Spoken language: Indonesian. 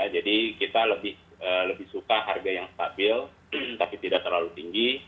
jadi kita lebih suka harga yang stabil tapi tidak terlalu tinggi